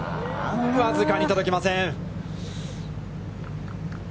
僅かに届きません。